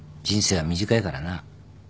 人生は短いからな。